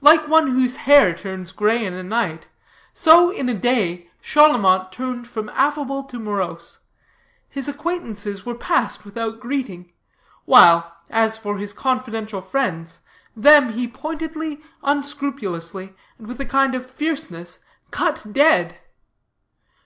Like one whose hair turns gray in a night, so in a day Charlemont turned from affable to morose. His acquaintances were passed without greeting; while, as for his confidential friends, them he pointedly, unscrupulously, and with a kind of fierceness, cut dead.